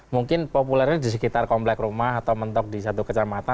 mungkin populernya di sekitar komplek rumah atau mentok di satu kecamatan